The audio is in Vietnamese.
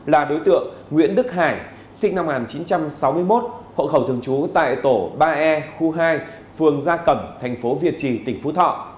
là đối tượng nguyễn đức hải sinh năm một nghìn chín trăm sáu mươi một hộ khẩu thường trú tại tổ ba e khu hai phường gia cẩm thành phố việt trì tỉnh phú thọ